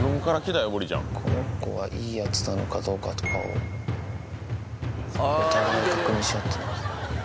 この子はいいやつなのかどうかとかをお互い確認し合ってるのか。